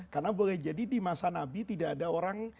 karena boleh jadi di masa nabi tidak ada orang